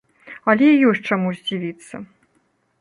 Але ёсць чаму здзівіцца.